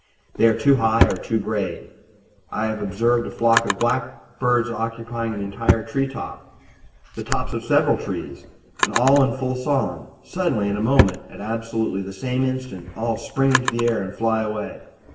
They are too high or too grave. I have observed a flock of blackbirds occupying an entire treetop the tops of several trees and all in full song. Suddenly in a moment at absolutely the same instant all spring into the air and fly away.